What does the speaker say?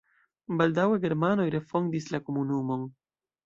Baldaŭe germanoj refondis la komunumon.